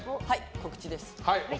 告知です。